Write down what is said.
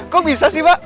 kok bisa sih mbak